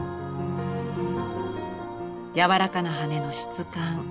やわらかな羽根の質感。